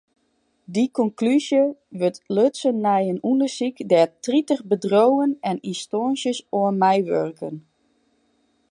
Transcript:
Dy konklúzje wurdt lutsen nei in ûndersyk dêr't tritich bedriuwen en ynstânsjes oan meiwurken.